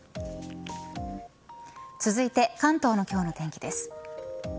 続いて関東の今日の天気です。